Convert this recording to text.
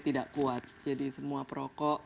tidak kuat jadi semua perokok